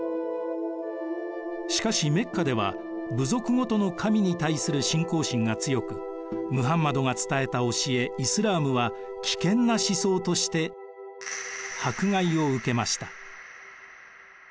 しかしメッカでは部族ごとの神に対する信仰心が強くムハンマドが伝えた教えイスラームは危険な思想として迫害を受けました。